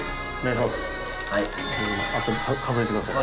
後で数えてください。